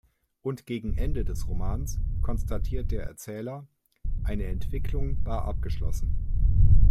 Und gegen Ende des Romans konstatiert der Erzähler: „Eine Entwicklung war abgeschlossen.